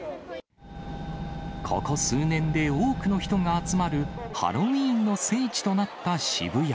ここ数年で多くの人が集まるハロウィーンの聖地となった渋谷。